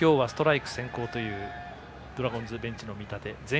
今日はストライク先行というドラゴンズベンチの見立て。